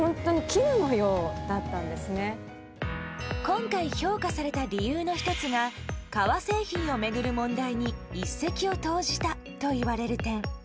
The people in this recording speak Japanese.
今回評価された理由の１つが革製品を巡る問題に一石を投じたといわれる点。